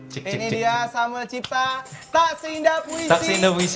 cek cek cek cipta tak seindah puisi puisi